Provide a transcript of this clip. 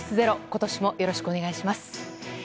今年もよろしくお願いします。